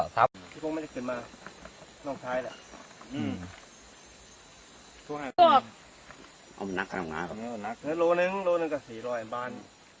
อมนักกับน้ำงาน้ำนักเนื้อโลหนึ่งโลหนึ่งกับสี่ร้อยบ้าน